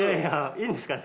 いいんですかね？